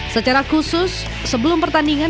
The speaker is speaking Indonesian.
secara khusus sebelum pertandingan